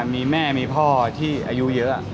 มีแม่มีพ่อที่อายุเยอะ